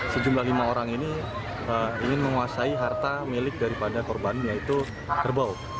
sejumlah lima orang ini ingin menguasai harta milik daripada korban yaitu kerbau